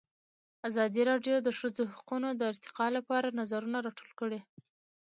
ازادي راډیو د د ښځو حقونه د ارتقا لپاره نظرونه راټول کړي.